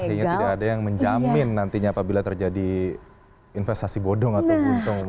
artinya tidak ada yang menjamin nantinya apabila terjadi investasi bodong atau buntung